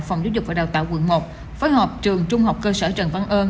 phòng giáo dục và đào tạo quận một phối hợp trường trung học cơ sở trần văn ơn